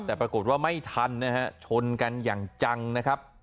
แต่ปรากฏว่าไม่ทันนะฮะชนกันอย่างจังนะครับ